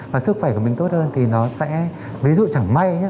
và sức khỏe của mình tốt hơn thì nó sẽ ví dụ chẳng may